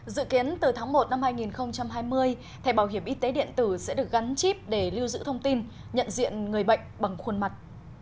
dự kiến từ tháng một năm hai nghìn hai mươi thẻ bảo hiểm y tế điện tử sẽ được gắn chip để lưu giữ thông tin nhận diện người bệnh bằng khuôn mặt